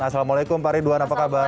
assalamualaikum pak ridwan apa kabar